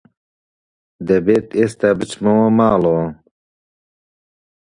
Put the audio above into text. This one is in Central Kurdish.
دەبێت ئێستا بچمەوە ماڵەوە.